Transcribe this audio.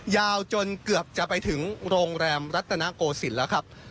ยาวจนเกือบจะไปถึงโรงแรมรัตนโกศิลป์แล้วครับ